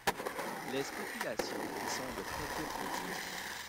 Les spéculations y sont de très courte durée.